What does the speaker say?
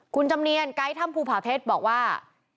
คุณจำเนียนไกด์ถ้ำภูผาเพชรบอกว่า